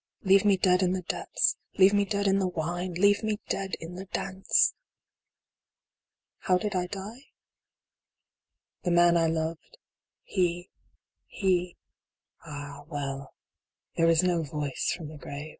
Leave me dead in the depths! Leave me dead in the wine ! Leave me dead in the dance ! V. How did I die ? The man I loved he he ah, well ! There is no voice from the grave.